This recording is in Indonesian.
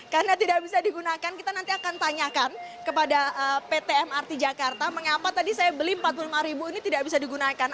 karena tidak bisa digunakan kita nanti akan tanyakan kepada pt mrt jakarta mengapa tadi saya beli rp empat puluh lima ini tidak bisa digunakan